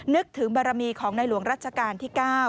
นึกถึงบารมีของในหลวงรัชกาลที่๙